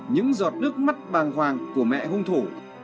những giọt nước mắt bàng hoàng của mẹ hung thủ